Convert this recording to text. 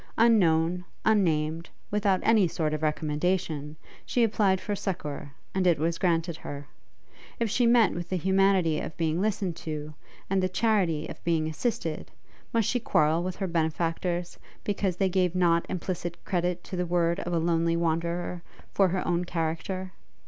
Unknown, unnamed, without any sort of recommendation, she applied for succour, and it was granted her: if she met with the humanity of being listened to, and the charity of being assisted, must she quarrel with her benefactors, because they gave not implicit credit to the word of a lonely Wanderer for her own character?